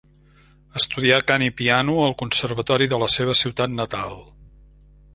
Estudià cant i piano al conservatori de la seva ciutat natal.